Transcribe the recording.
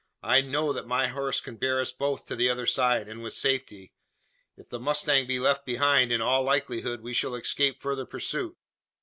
I know that my horse can bear us both to the other side, and with safety. If the mustang be left behind, in all likelihood we shall escape further pursuit.